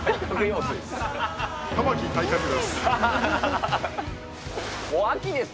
玉置体格です。